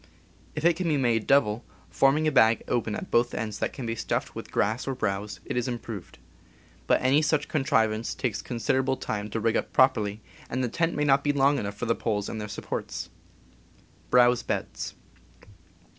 If it be made double, forming a bag open at both ends that can be stuffed with grass or browse, it is improved ; but any such contrivance takes considerable time to rig up properly, and the tent may not be long enough for the poles and their supports.